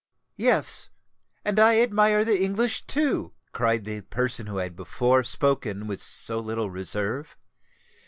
"Yes,—and I admire the English, too," cried the person who had before spoken with so little reserve.